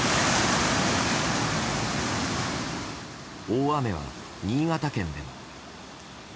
大雨は新潟県でも。